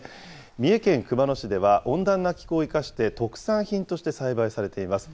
三重県熊野市では、温暖な気候を生かして、特産品として栽培されています。